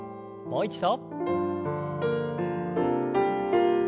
もう一度。